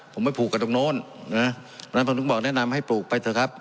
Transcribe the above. ผมไม่ปลูกกับตรงโน้นนะฮะบางทุกคนบอกแนะนำให้ปลูกไปเถอะครับ